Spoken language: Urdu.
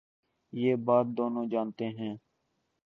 یہ بات دونوں جا نتے ہیں۔